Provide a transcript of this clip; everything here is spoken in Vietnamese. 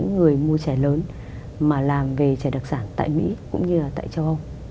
những người mua trẻ lớn mà làm về trẻ đặc sản tại mỹ cũng như là tại châu âu